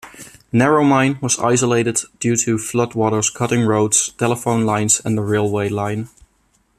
Narromine was isolated due to floodwaters cutting roads, telephone lines and the railway line.